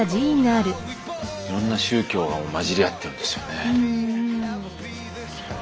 いろんな宗教がまじりあってるんですよね。